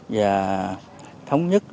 và thống nhất